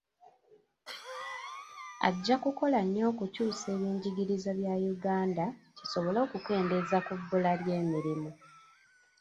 Ajja kukola nnyo okukyusa ebyenjigiriza bya Uganda, kisobole okukendeeza ku bbula ly'emirimu.